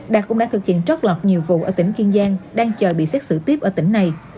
đạt cũng đã thực hiện trót lọt nhiều vụ ở tỉnh kiên giang đang chờ bị xét xử tiếp ở tỉnh này